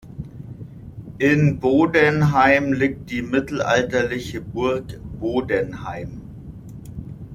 In Bodenheim liegt die mittelalterliche Burg Bodenheim.